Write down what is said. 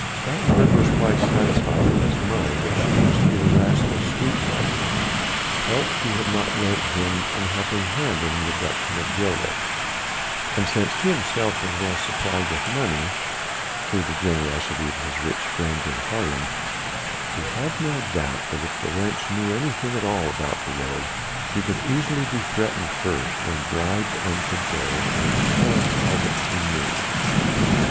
Stoutenburg was quite satisfied in his mind that she must be the rascal's sweetheart, else she had not lent him an helping hand in the abduction of Gilda, and since he himself was well supplied with money through the generosity of his rich friends in Haarlem, he had no doubt that if the wench knew anything at all about the rogue, she could easily be threatened first, then bribed and cajoled into telling all that she knew.